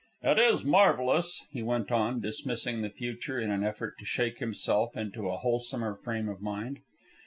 "It is marvellous," he went on, dismissing the future in an effort to shake himself into a wholesomer frame of mind.